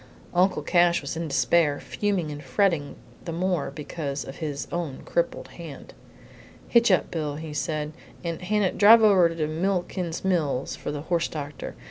Uncle Cash was in despair, fuming and fretting the more because of his own crippled hand. "Hitch up, Bill," he said, "and, Hannah, you drive over to Milliken's Mills for the horse doctor.